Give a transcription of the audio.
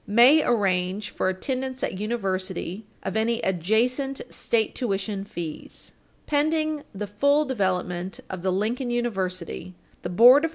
May arrange for attendance at university of any adjacent state Tuition fees. Pending the full development of the Lincoln university, the board of Page 305 U.